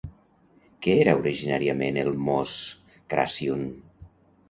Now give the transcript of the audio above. Què era originàriament el Moș Crăciun?